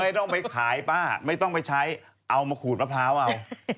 ไม่ต้องไปขายป้าไม่ต้องไปใช้เอามาขูดมะพร้าวเอา